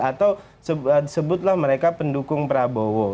atau sebutlah mereka pendukung prabowo